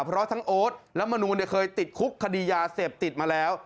เพราะทั้งโอ๊ตและมนูลเคยติดคุกคดียาเสพติดมาแล้ว